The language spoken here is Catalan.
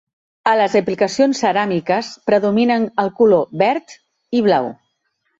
A les aplicacions ceràmiques predominen el color verd i blau.